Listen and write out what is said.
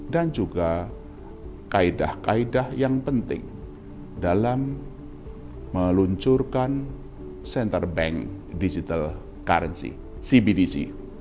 dan juga kaedah kaedah yang penting dalam meluncurkan center bank digital currency cbdc